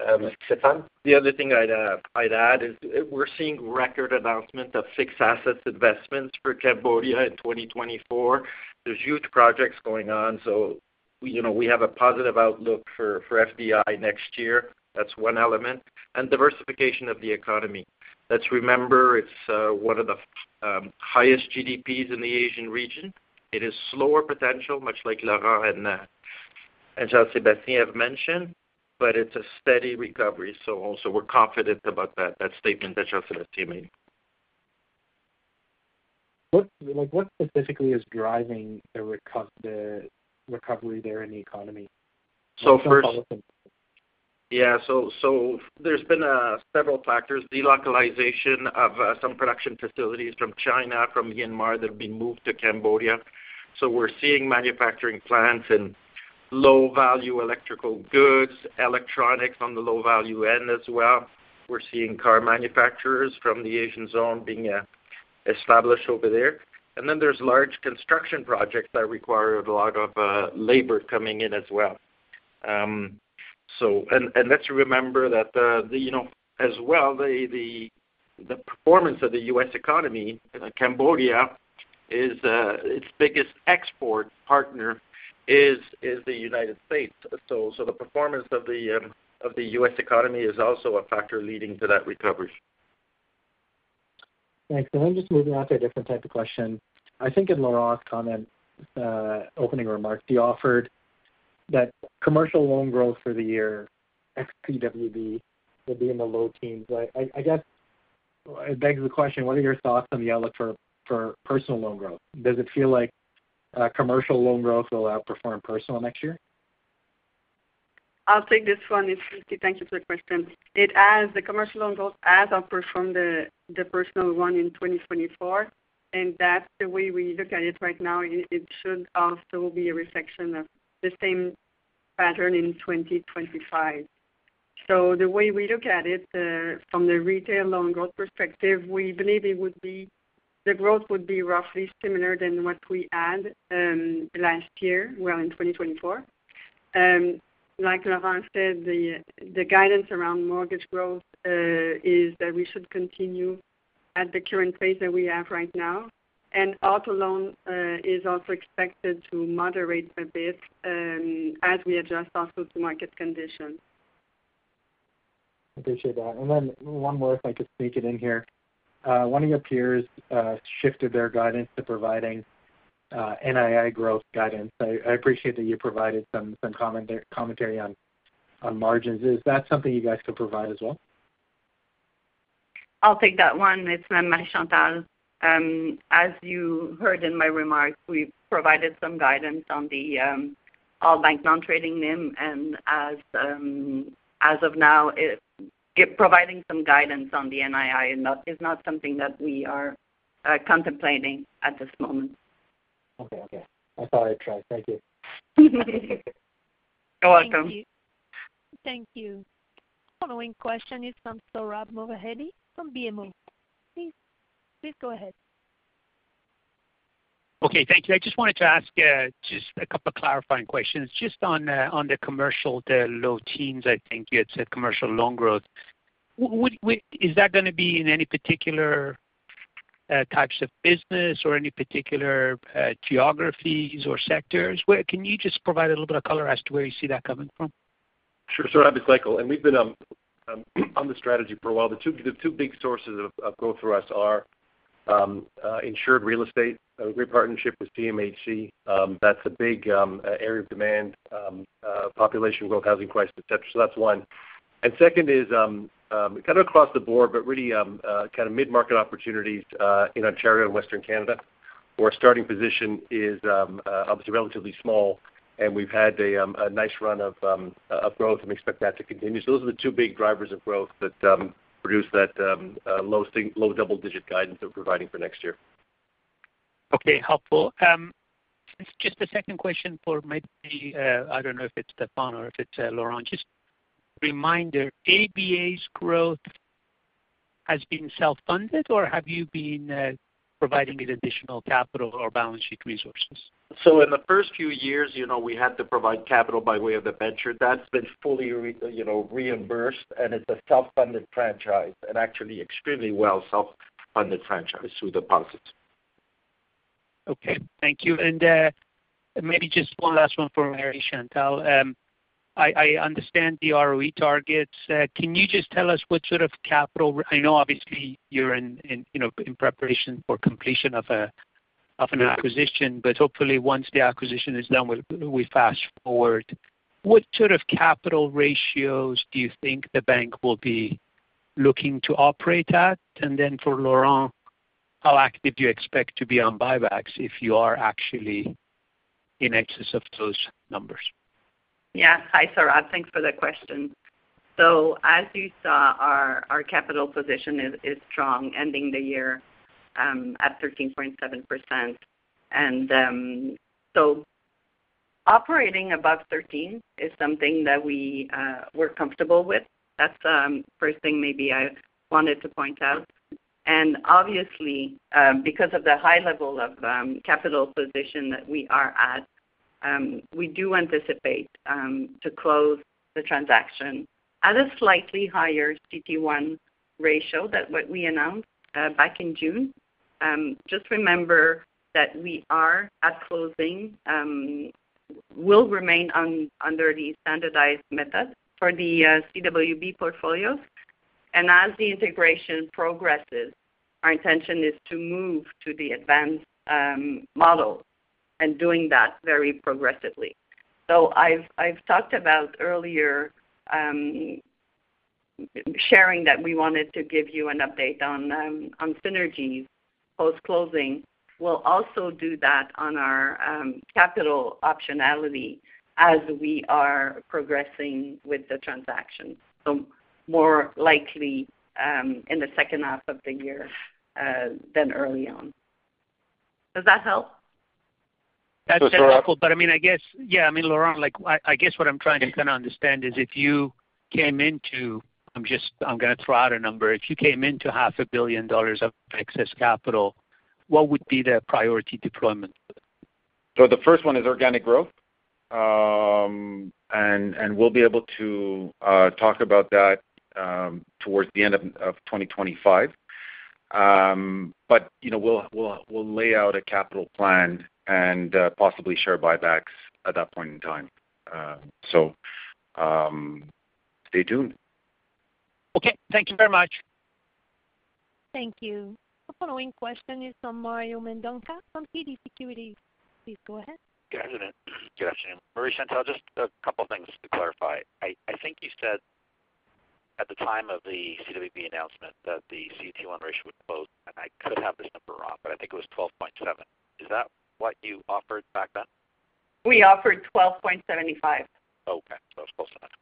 Stéphane? The other thing I'd add is we're seeing record announcements of fixed assets investments for Cambodia in 2024. There's huge projects going on. We have a positive outlook for FDI next year. That's one element. And diversification of the economy. Let's remember it's one of the highest GDPs in the Asian region. It is slower potential, much like Laurent and Jean-Sébastien have mentioned, but it's a steady recovery. We're confident about that statement that Jean-Sébastien made. What specifically is driving the recovery there in the economy? First, yeah, there's been several factors. Delocalization of some production facilities from China, from Myanmar that have been moved to Cambodia. We're seeing manufacturing plants and low-value electrical goods, electronics on the low-value end as well. We're seeing car manufacturers from the Asian zone being established over there. And then there's large construction projects that require a lot of labor coming in as well. And let's remember that as well, the performance of the U.S. economy in Cambodia, its biggest export partner is the United States. So the performance of the U.S. economy is also a factor leading to that recovery. Thanks. And then just moving on to a different type of question. I think in Laurent's comment, opening remark, he offered that commercial loan growth for the year at CWB will be in the low teens. I guess it begs the question, what are your thoughts on the outlook for personal loan growth? Does it feel like commercial loan growth will outperform personal next year? I'll take this one. Thank you for the question. The commercial loan growth has outperformed the personal one in 2024. And that's the way we look at it right now. It should also be a reflection of the same pattern in 2025. So the way we look at it from the retail loan growth perspective, we believe the growth would be roughly similar than what we had last year, well, in 2024. Like Laurent said, the guidance around mortgage growth is that we should continue at the current pace that we have right now. And auto loan is also expected to moderate a bit as we adjust also to market conditions. I appreciate that. And then one more if I could sneak it in here. One of your peers shifted their guidance to providing NII growth guidance. I appreciate that you provided some commentary on margins. Is that something you guys could provide as well? I'll take that one. It's Marie Chantal. As you heard in my remarks, we provided some guidance on the all-bank non-trading NIM. And as of now, providing some guidance on the NII is not something that we are contemplating at this moment. Okay. Okay. I thought I'd try. Thank you. You're welcome. Thank you. Thank you. Following question is from Sohrab Movahedi from BMO. Please go ahead. Okay. Thank you. I just wanted to ask just a couple of clarifying questions just on the commercial to low teens, I think you had said commercial loan growth. Is that going to be in any particular types of business or any particular geographies or sectors? Can you just provide a little bit of color as to where you see that coming from? Sure. Sohrab, it's Michael. We've been on the strategy for a while. The two big sources of growth for us are insured real estate, a great partnership with CMHC. That's a big area of demand, population growth, housing prices, etc. So that's one. And second is kind of across the board, but really kind of mid-market opportunities in Ontario and Western Canada, where our starting position is obviously relatively small, and we've had a nice run of growth. We expect that to continue. So those are the two big drivers of growth that produce that low double-digit guidance that we're providing for next year. Okay. Helpful. Just a second question for maybe I don't know if it's Stéphane or if it's Laurent. Just reminder, ABA's growth has been self-funded, or have you been providing it additional capital or balance sheet resources? So in the first few years, we had to provide capital by way of the debenture. That's been fully reimbursed, and it's a self-funded franchise, and actually extremely well self-funded franchise through deposits. Okay. Thank you. And maybe just one last one for Marie Chantal. I understand the ROE targets. Can you just tell us what sort of capital I know obviously you're in preparation for completion of an acquisition, but hopefully once the acquisition is done, we fast forward. What sort of capital ratios do you think the bank will be looking to operate at? And then for Laurent, how active do you expect to be on buybacks if you are actually in excess of those numbers? Yeah. Hi, Sohrab. Thanks for the question. So as you saw, our capital position is strong ending the year at 13.7%. And so operating above 13% is something that we were comfortable with. That's the first thing maybe I wanted to point out. And obviously, because of the high level of capital position that we are at, we do anticipate to close the transaction at a slightly higher CET1 ratio than what we announced back in June. Just remember that we are at closing, will remain under the standardized method for the CWB portfolios, and as the integration progresses, our intention is to move to the advanced model and doing that very progressively, so I've talked about earlier sharing that we wanted to give you an update on synergies post-closing. We'll also do that on our capital optionality as we are progressing with the transaction, so more likely in the second half of the year than early on. Does that help? That's helpful, but I mean, I guess yeah, I mean, Laurent, I guess what I'm trying to kind of understand is if you came into, I'm going to throw out a number, if you came into 500 million dollars of excess capital, what would be the priority deployment? So the first one is organic growth. We'll be able to talk about that towards the end of 2025. We'll lay out a capital plan and possibly share buybacks at that point in time. Stay tuned. Okay. Thank you very much. Thank you. The following question is from Mario Mendonca from TD Securities. Please go ahead. Good afternoon. Good afternoon. Marie Chantal, just a couple of things to clarify. I think you said at the time of the CWB announcement that the CET1 ratio would close, and I could have this number wrong, but I think it was 12.7. Is that what you offered back then? We offered 12.75. Okay. So it's close to that.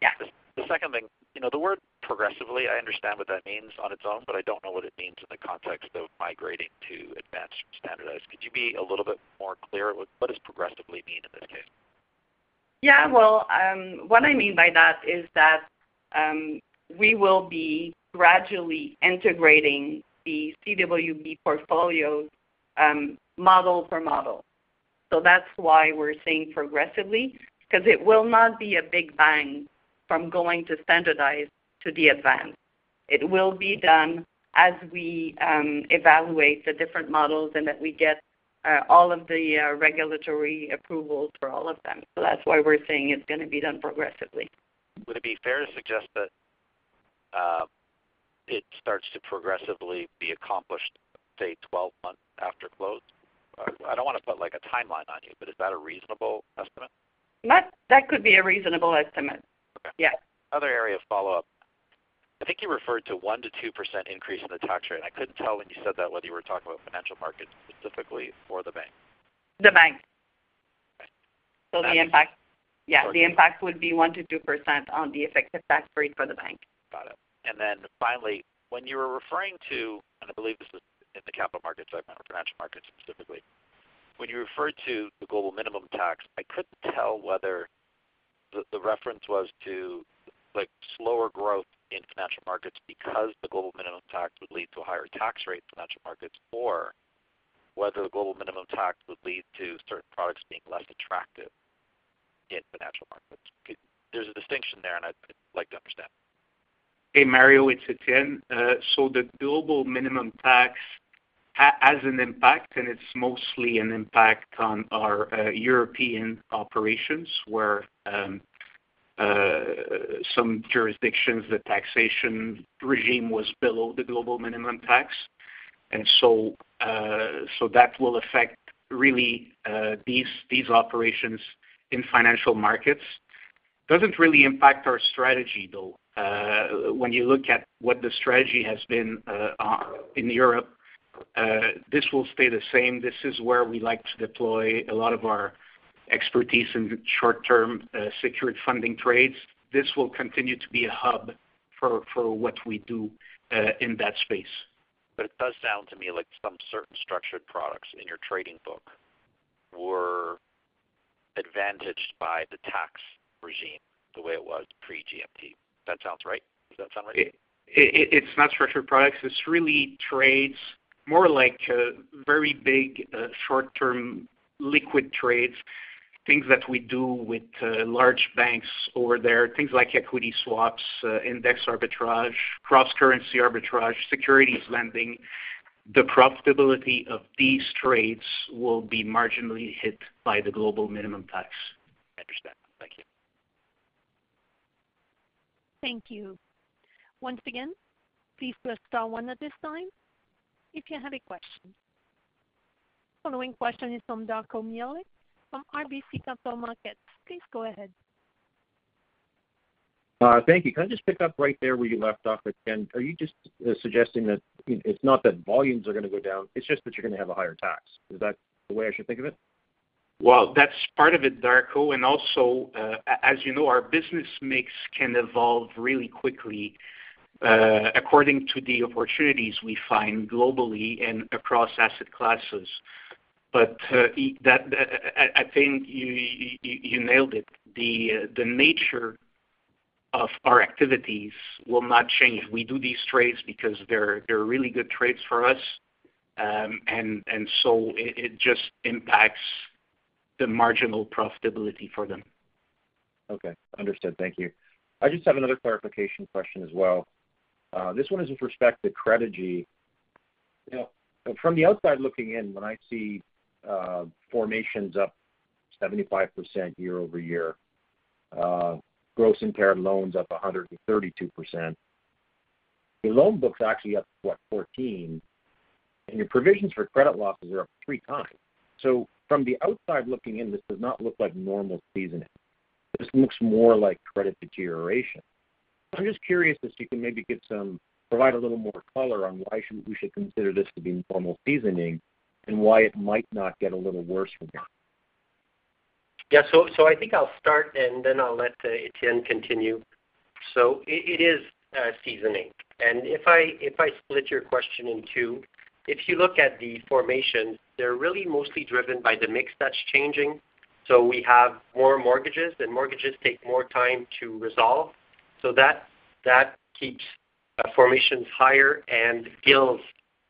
Yeah. The second thing, the word progressively, I understand what that means on its own, but I don't know what it means in the context of migrating to advanced standardized. Could you be a little bit more clear? What does progressively mean in this case? Yeah. Well, what I mean by that is that we will be gradually integrating the CWB portfolios model for model. So that's why we're saying progressively, because it will not be a big bang from going to standardized to the advanced. It will be done as we evaluate the different models and that we get all of the regulatory approvals for all of them. So that's why we're saying it's going to be done progressively. Would it be fair to suggest that it starts to progressively be accomplished, say, 12 months after close? I don't want to put a timeline on you, but is that a reasonable estimate? That could be a reasonable estimate. Yeah. Okay. Another area of follow-up. I think you referred to 1%-2% increase in the tax rate. I couldn't tell when you said that whether you were talking about Financial Markets specifically or the bank. The bank. So the impact, yeah, the impact would be 1%-2% on the effective tax rate for the bank. Got it. And then finally, when you were referring to, and I believe this was in the capital market segment or Financial Markets specifically, when you referred to the global minimum tax, I couldn't tell whether the reference was to slower growth in Financial Markets because the global minimum tax would lead to a higher tax rate in Financial Markets or whether the global minimum tax would lead to certain products being less attractive in Financial Markets. There's a distinction there, and I'd like to understand. Hey, Mario, it's Étienne. The global minimum tax has an impact, and it's mostly an impact on our European operations where some jurisdictions, the taxation regime was below the global minimum tax. And so that will affect really these operations in Financial Markets. Doesn't really impact our strategy, though. When you look at what the strategy has been in Europe, this will stay the same. This is where we like to deploy a lot of our expertise in short-term secured funding trades. This will continue to be a hub for what we do in that space. But it does sound to me like some certain structured products in your trading book were advantaged by the tax regime the way it was pre-GMT. That sounds right? Does that sound right? It's not structured products. It's really trades, more like very big short-term liquid trades, things that we do with large banks over there, things like equity swaps, index arbitrage, cross-currency arbitrage, securities lending. The profitability of these trades will be marginally hit by the global minimum tax. I understand. Thank you. Thank you. Once again, please press star one at this time if you have a question. Following question is from Darko Mihelic from RBC Capital Markets. Please go ahead. Thank you. Can I just pick up right there where you left off at the end? Are you just suggesting that it's not that volumes are going to go down, it's just that you're going to have a higher tax? Is that the way I should think of it? Well, that's part of it, Darko. Also, as you know, our business mix can evolve really quickly according to the opportunities we find globally and across asset classes. I think you nailed it. The nature of our activities will not change. We do these trades because they're really good trades for us. So it just impacts the marginal profitability for them. Okay. Understood. Thank you. I just have another clarification question as well. This one is with respect to Credigy. From the outside looking in, when I see formations up 75% year-over-year, gross impaired loans up 132%, your loan books actually up, what, 14? And your provisions for credit losses are up three times. From the outside looking in, this does not look like normal seasoning. This looks more like credit deterioration. I'm just curious if you can maybe provide a little more color on why we should consider this to be normal seasoning and why it might not get a little worse from here. Yeah. So I think I'll start, and then I'll let Étienne continue. So it is seasoning. And if I split your question in two, if you look at the formations, they're really mostly driven by the mix that's changing. So we have more mortgages, and mortgages take more time to resolve. So that keeps formations higher and yields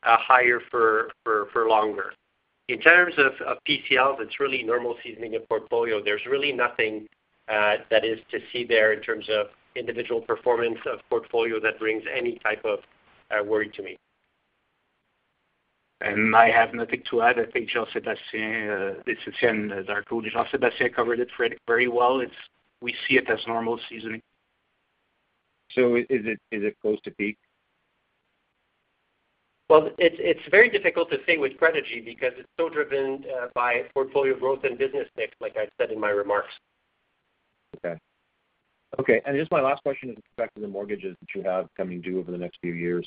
higher for longer. In terms of PCLs, it's really normal seasoning of portfolio. There's really nothing that is to see there in terms of individual performance of portfolio that brings any type of worry to me. And I have nothing to add. I think Jean-Sébastien, this is him, Darko. Jean-Sébastien covered it very well. We see it as normal seasoning. So is it close to peak? Well, it's very difficult to say with Credigy because it's so driven by portfolio growth and business mix, like I said in my remarks. Okay. Okay. And just my last question is with respect to the mortgages that you have coming due over the next few years.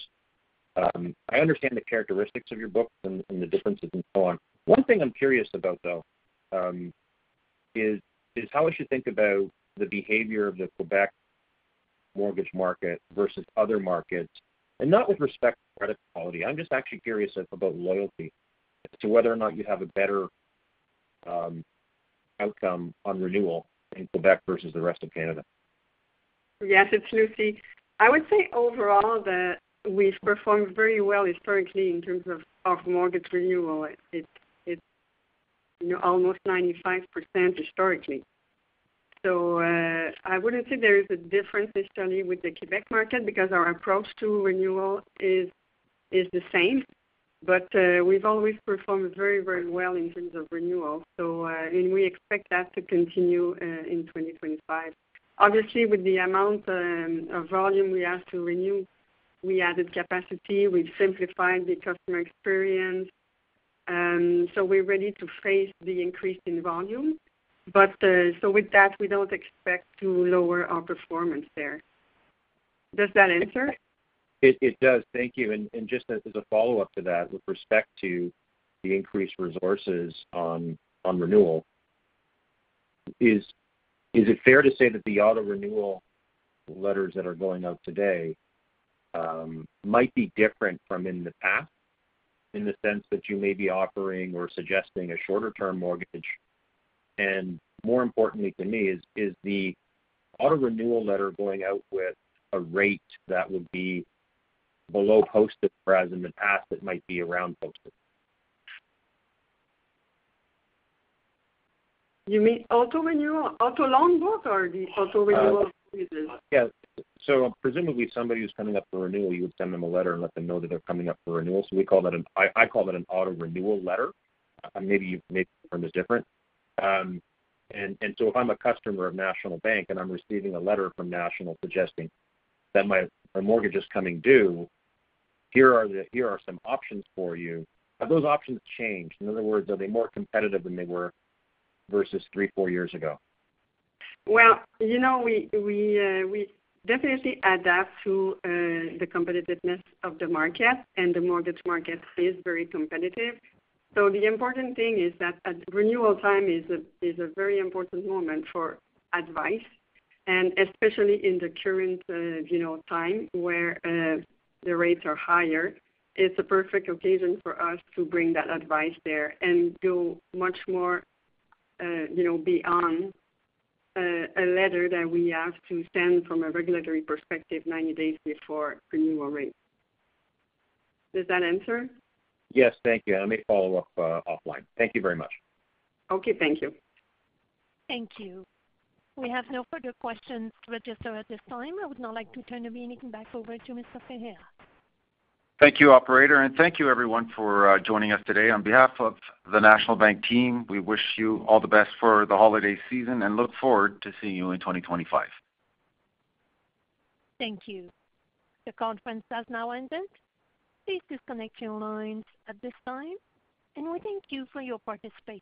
I understand the characteristics of your book and the differences and so on. One thing I'm curious about, though, is how I should think about the behavior of the Quebec mortgage market versus other markets, and not with respect to credit quality. I'm just actually curious about loyalty as to whether or not you have a better outcome on renewal in Quebec versus the rest of Canada. Yes, it's Lucie. I would say overall that we've performed very well historically in terms of mortgage renewal. It's almost 95% historically. I wouldn't say there is a difference historically with the Quebec market because our approach to renewal is the same. But we've always performed very, very well in terms of renewal. And we expect that to continue in 2025. Obviously, with the amount of volume we have to renew, we added capacity. We've simplified the customer experience. So we're ready to face the increase in volume. But so with that, we don't expect to lower our performance there. Does that answer? It does. Thank you. And just as a follow-up to that, with respect to the increased resources on renewal, is it fair to say that the auto-renewal letters that are going out today might be different from in the past in the sense that you may be offering or suggesting a shorter-term mortgage? And more importantly to me is the auto-renewal letter going out with a rate that would be below posted whereas in the past it might be around posted? You mean auto-renewal auto loan book or the auto-renewal? Yeah. So presumably somebody who's coming up for renewal, you would send them a letter and let them know that they're coming up for renewal. So we call that. I call that an auto-renewal letter. Maybe you've heard this different. And so if I'm a customer of National Bank and I'm receiving a letter from National suggesting that my mortgage is coming due, here are some options for you. Have those options changed? In other words, are they more competitive than they were versus three, four years ago? Well, we definitely adapt to the competitiveness of the market, and the mortgage market is very competitive. So the important thing is that renewal time is a very important moment for advice. And especially in the current time where the rates are higher, it's a perfect occasion for us to bring that advice there and go much more beyond a letter that we have to send from a regulatory perspective 90 days before renewal rate. Does that answer? Yes. Thank you. And I may follow up offline. Thank you very much. Okay. Thank you. Thank you. We have no further questions registered at this time. I would now like to turn the meeting back over to Mr. Ferreira. Thank you, Operator. And thank you, everyone, for joining us today. On behalf of the National Bank team, we wish you all the best for the holiday season and look forward to seeing you in 2025. Thank you. The conference has now ended. Please disconnect your lines at this time. And we thank you for your participation.